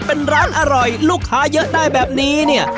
เป็นร้านอร่อยลูกค้าเยอะได้แบบนี้เนี่ย